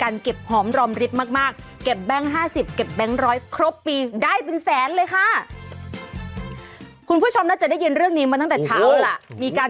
เราก็ต้องวางไว้ก่อน